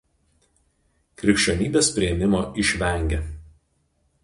Krikščionybės priėmimo išvengė.